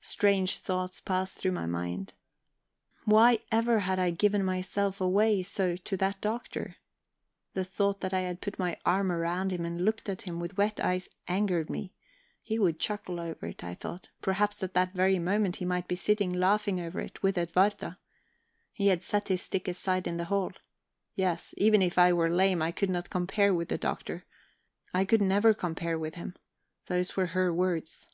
Strange thoughts passed through my mind. Why ever had I given myself away so to that Doctor? The thought that I had put my arm round him and looked at him with wet eyes angered me; he would chuckle over it, I thought; perhaps at that very moment he might be sitting laughing over it, with Edwarda. He had set his stick aside in the hall. Yes, even if I were lame, I could not compare with the Doctor. I could never compare with him those were her words...